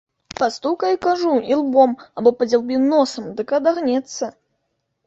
Пастукай, кажу, ілбом або падзяўбі носам, дык адагнецца.